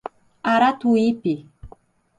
Aratuípe